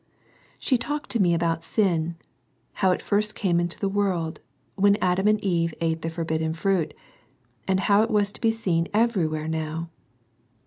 She talked to me about sin : how it first came into the world, when Adam and Eve ate the forbidden fruit, and how it was to be seen everywhere now.